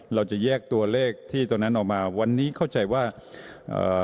เราจะแยกตัวเลขที่ตรงนั้นออกมาวันนี้เข้าใจว่าเอ่อ